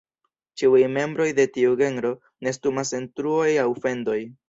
Ĉiuj membroj de tiu genro nestumas en truoj aŭ fendoj.